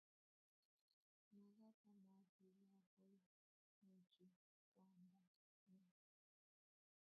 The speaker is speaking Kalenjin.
magaat amwachi logoiywechu kwanda nyuu